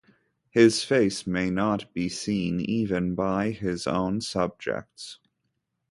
His face may not be seen even by his own subjects.